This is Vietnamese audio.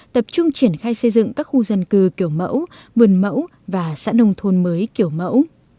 tập trung triển khai xây dựng các khu dân cư kiểu mẫu vườn mẫu và xã nông thôn mới kiểu mẫu